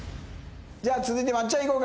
じゃあ続いてまっちゃんいこうか。